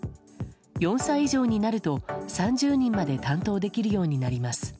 ４歳以上になると３０人まで担当できるようになります。